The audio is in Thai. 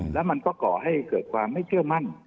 แล้วมันก็ก่อให้เกิดความไม่เชื่อมั่น